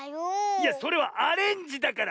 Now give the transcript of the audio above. いやそれはアレンジだから！